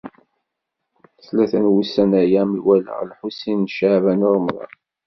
Tlata n wussan-aya ma walaɣ Lḥusin n Caɛban u Ṛemḍan.